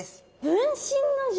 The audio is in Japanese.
分身の術？